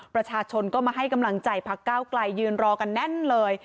ประชาชนก็มาให้กำลังใจพักเก้าไกลยืนรอกันแน่นเลย